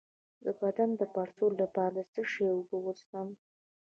د بدن د پړسوب لپاره د څه شي اوبه وڅښم؟